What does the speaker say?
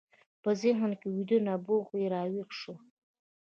په ذهن کې ویده نبوغ یې راویښ شو